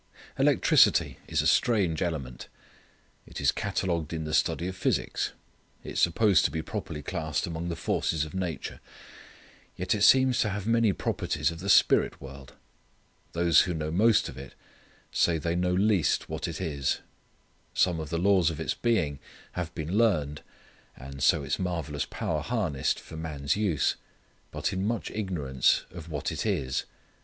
Electricity is a strange element. It is catalogued in the study of physics. It is supposed to be properly classed among the forces of nature. Yet it seems to have many properties of the spirit world. Those who know most of it say they know least of what it is. Some of the laws of its being have been learned, and so its marvellous power harnessed for man's use, but in much ignorance of what it is.